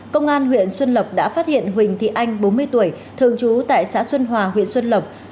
công an huyện xuân lộc đã phát hiện huỳnh thị anh bốn mươi tuổi thường trú tại xã xuân hòa huyện xuân lộc